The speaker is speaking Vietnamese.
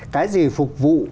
cái gì phục vụ